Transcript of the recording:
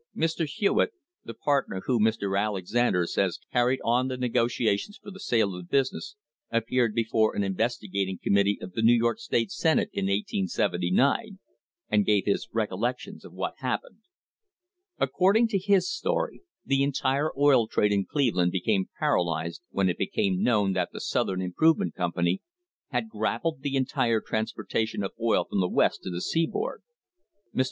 THE HISTORY OF THE STANDARD OIL COMPANY Mr. Hewitt, the partner who Mr. Alexander says carrie* on the negotiations for the sale of the business, appeared before an investigating committee of the New York Stat< Senate in 1879 and gave his recollections of what happened. According to his story the entire oil trade in Cleveland became paralysed when it became known that the South Improve ment Company had "grappled the entire transportation of oil from the West to the seaboard." Mr.